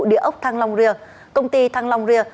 địa ốc thăng long ria công ty thăng long ria